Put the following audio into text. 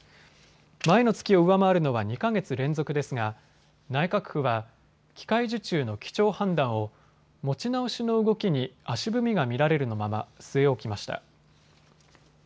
前の月を上回るのは２か月連続ですが内閣府は機械受注の基調判断を持ち直しの動きに足踏みが見られるのまま据え置きました。